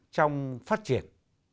trong phát triển